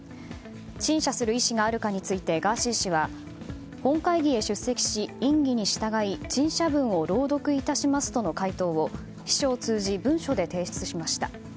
陳謝する意思があるかについてガーシー氏は本会議へ出席し、院議に従い陳謝文を朗読いたしますとの回答を、秘書を通じ文書で提出しました。